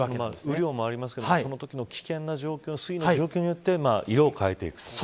雨量もありますけどそのときの危険な状況水位の状況によって色を変えていく。